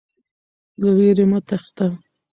له ویرې مه تښته.